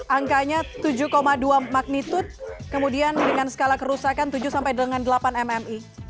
angkanya tujuh dua magnitude kemudian dengan skala kerusakan tujuh sampai dengan delapan mmi